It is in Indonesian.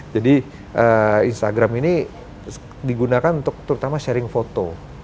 jadi instagram ini digunakan untuk terutama sharing foto